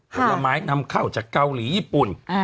ผลไม้นำเข้าจากเกาหลีญี่ปุ่น